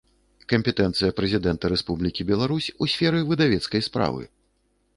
Кампетэнцыя Прэзiдэнта Рэспублiкi Беларусь у сферы выдавецкай справы